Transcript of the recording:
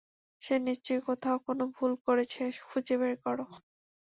সে নিশ্চয়ই কোথাও কোনো ভুল করেছে, খুঁজে বের করো।